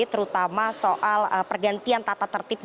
terutama soal pergantian tata tertib